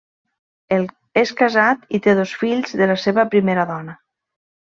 És casat i té dos fills de la seva primera dona.